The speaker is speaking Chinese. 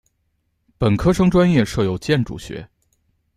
本科生专业设有建筑学。